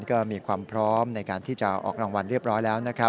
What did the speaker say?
ก็มีความพร้อมในการที่จะออกรางวัลเรียบร้อยแล้วนะครับ